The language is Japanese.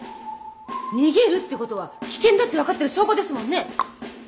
逃げるってことは危険だって分かってる証拠ですもんね！